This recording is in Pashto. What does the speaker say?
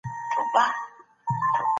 سیاست او اخلاق باید سره یوځای وي.